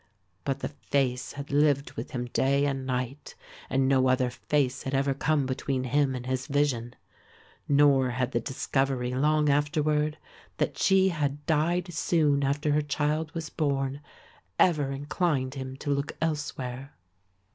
But the face had lived with him day and night, and no other face had ever come between him and his vision. Nor had the discovery long afterward, that she had died soon after her child was born, ever inclined him to look elsewhere.